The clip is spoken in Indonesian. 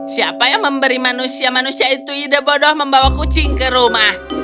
siapa yang memberi manusia manusia itu ide bodoh membawa kucing ke rumah